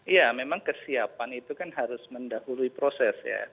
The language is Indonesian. ya memang kesiapan itu kan harus mendahului proses ya